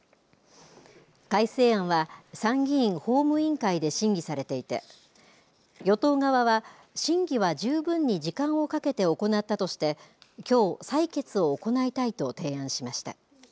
改正案は、参議院法務委員会で審議されていて与党側は審議は十分に時間をかけて行ったとしてきょう採決を行いたいと提案しました。